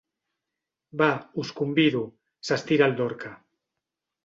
Va, us convido —s'estira el Dorca.